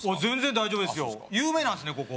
全然大丈夫ですよ有名なんですね